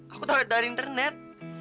aku tau dari internet